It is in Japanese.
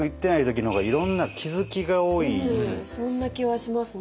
そんな気はしますね。